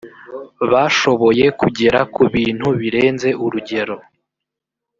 bashoboye kugera ku bintu birenze urugero